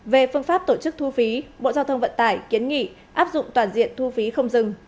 về phương pháp tổ chức thu phí bộ giao thông vận tải kiến nghị áp dụng toàn diện thu phí không dừng